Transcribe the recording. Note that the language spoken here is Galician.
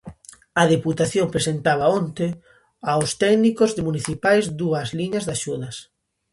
A Deputación presentaba onte aos técnicos municipais dúas liñas de axudas.